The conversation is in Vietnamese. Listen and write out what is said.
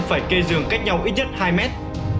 phải kê giường cách nhau ít nhất hai mét